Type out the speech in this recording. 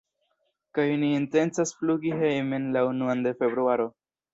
kaj ni intencas flugi hejmen la unuan de februaro.